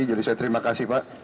jadi saya terima kasih pak